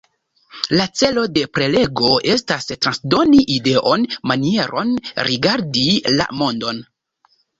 La celo de prelego estas transdoni ideon, manieron rigardi la mondon...